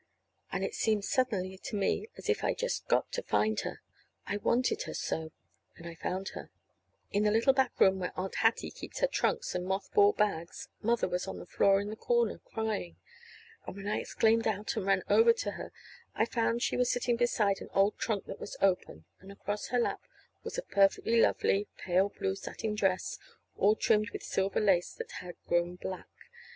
And it seemed suddenly to me as if I'd just got to find her. I wanted her so. And I found her. In the little back room where Aunt Hattie keeps her trunks and moth ball bags, Mother was on the floor in the corner crying. And when I exclaimed out and ran over to her, I found she was sitting beside an old trunk that was open; and across her lap was a perfectly lovely pale blue satin dress all trimmed with silver lace that had grown black.